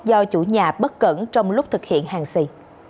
do chủ nhà bất cẩn trong lúc thực hiện hàng xì